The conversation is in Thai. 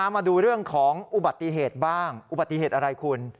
มาดูเรื่องของอุบัติเหตุบ้างอุบัติเหตุอะไรคุณ